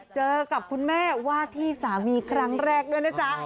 เจอกับคุณแม่ว่าที่สามีครั้งแรกด้วยนะจ๊ะ